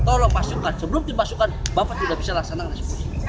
tolong masukkan sebelum dimasukkan bapak tidak bisa laksanakan eksekusi